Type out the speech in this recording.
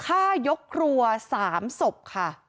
ข้ายกหลัว๓ศพค่ะ